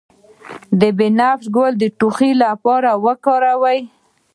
د بنفشه ګل د ټوخي لپاره وکاروئ